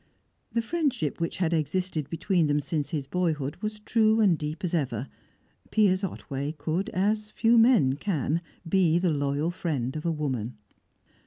The friendship which had existed between them since his boyhood was true and deep as ever; Piers Otway could, as few men can, be the loyal friend of a woman.